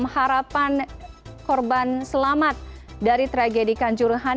harapan korban selamat dari tragedi kanjuruhan